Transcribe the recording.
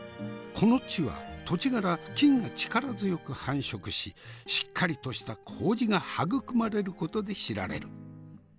この地は土地柄菌が力強く繁殖ししっかりとした麹が育まれることで知られる。